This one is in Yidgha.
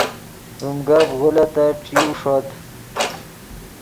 ڤیم گپ غولیتت ݯیو ݰوت